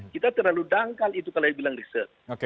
kita terlalu dangkal kalau anda bilang riset